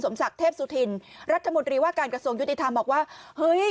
ศักดิ์เทพสุธินรัฐมนตรีว่าการกระทรวงยุติธรรมบอกว่าเฮ้ย